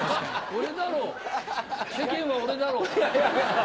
俺だろ、世間は俺だろ。